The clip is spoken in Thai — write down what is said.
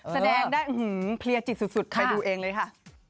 แสดงได้เพลียจิตสุดไปดูเองเลยค่ะ